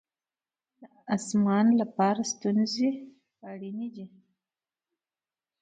د اسمان لپاره ستوري اړین دي